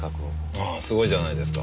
ああすごいじゃないですか。